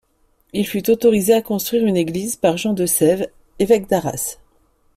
Il fut autorisé à construire une église par Jean de Sèves, évêque d'Arras.